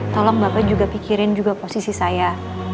tolong bapak juga pikirin juga posisi saya